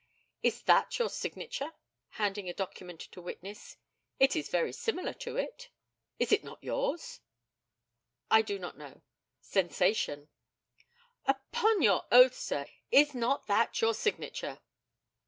Is that your signature [handing a document to witness]? It is very similar to it. Is it not yours? I do not know [sensation]. Upon your oath, sir, is not that your signature?